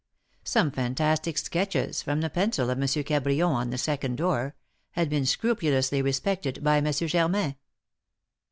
Some fantastic sketches from the pencil of M. Cabrion, on the second door, had been scrupulously respected by M. Germain.